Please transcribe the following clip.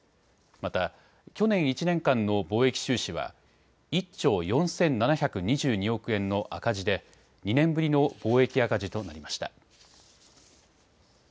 また、去年１年間の貿易収支は１兆４７２２億円の赤字で２年ぶりの貿易赤字となりました。